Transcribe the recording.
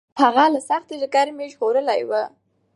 هغه له سختې ګرمۍ ژغورلی و.